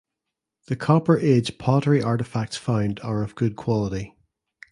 The Copper Age pottery artifacts found are of good quality.